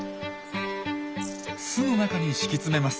巣の中に敷き詰めます。